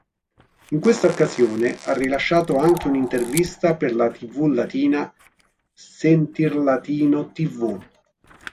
In questa occasione ha rilasciato anche un'intervista per la tv latina "Sentirlatino tv".